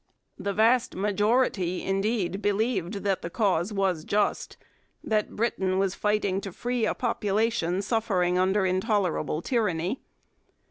The vast majority, indeed, believed that the cause was just, that Britain was fighting to free a population suffering under intolerable tyranny.